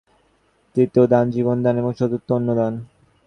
তৃতীয় দান জীবন-দান এবং চতুর্থ অন্ন-দান।